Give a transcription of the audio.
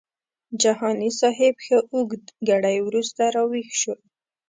جهاني صاحب ښه اوږد ګړی وروسته راویښ شو.